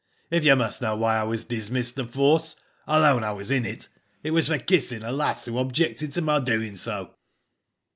If you must know why 1 was dismissed the force, — I'll own I was in it — it was for kissing a lass who objected to my doing so."